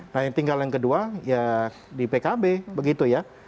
nah yang tinggal yang kedua ya di pkb begitu ya